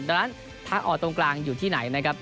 ดังนั้นทางออกตรงกลางอยู่ที่ไหนนะครับ